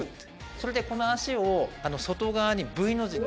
「それでこの脚を外側にＶの字に」